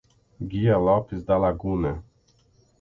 Guia Lopes da Laguna